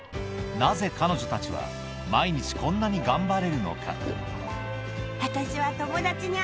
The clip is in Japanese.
なぜ彼女たちは毎日こんなに頑張れるのか